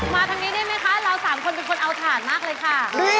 มาทางนี้ได้ไหมคะเรา๓คนมีคนเอาถ่านมากเลยค่ะ